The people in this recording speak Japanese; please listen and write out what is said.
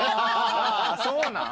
そうなん？